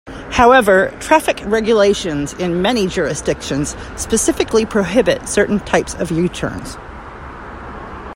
However, traffic regulations in many jurisdictions specifically prohibit certain types of U-turns.